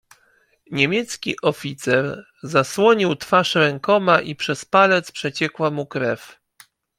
"Niemiecki oficer zasłonił twarz rękoma i przez palec przeciekła mu krew."